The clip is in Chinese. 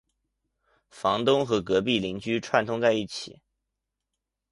房东和隔壁的邻居串通在一起